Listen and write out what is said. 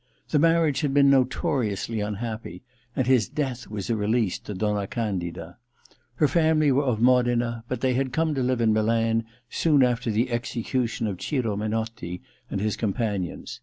The marriage had been notoriously unhappy, and his death was a release to Donna Candick. Her family were of Modena, but they had come to live in Milan soon after the execution of Ciro Menotti and his companions.